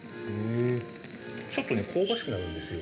ちょっとね香ばしくなるんですよ。